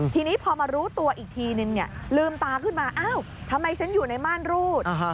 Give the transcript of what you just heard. ทีนี้พอมารู้ตัวอีกทีนึงลืมตาขึ้นมาอ้าวทำไมฉันอยู่ในม่านรูด